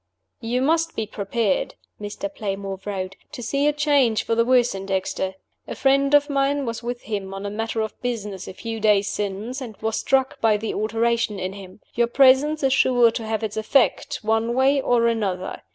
"You must be prepared," Mr. Playmore wrote, "to see a change for the worse in Dexter. A friend of mine was with him on a matter of business a few days since, and was struck by the alteration in him. Your presence is sure to have its effect, one way or another.